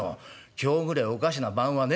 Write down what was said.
今日ぐれえおかしな晩はねんだい。